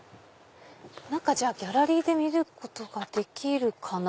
中じゃあギャラリーで見ることができるかな？